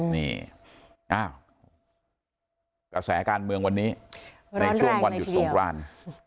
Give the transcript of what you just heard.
นี่อ้าวกระแสการเมืองวันนี้ในช่วงวันหยุดสงคราน